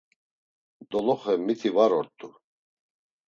Doloxe miti var ort̆u.